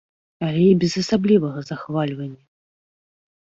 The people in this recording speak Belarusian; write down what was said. Але і без асаблівага захвальвання.